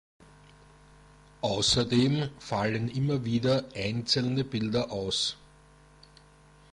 Außerdem fallen immer wieder einzelne Bilder aus.